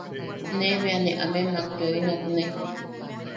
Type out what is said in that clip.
Ne bea ne amemak yoi nokne.